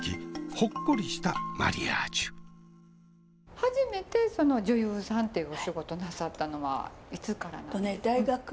初めて女優さんっていうお仕事なさったのはいつからなんですか？